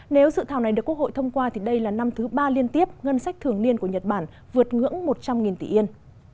nếu dự thảo này được quốc hội thông qua thì đây là năm thứ ba liên tiếp ngân sách thường niên của nhật bản vượt ngưỡng một trăm linh tỷ yên